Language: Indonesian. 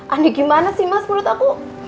andi gimana sih mas menurut aku